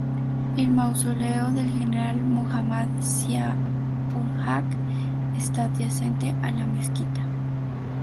El mausoleo del general Muhammad Zia-ul-Haq está adyacente a la mezquita.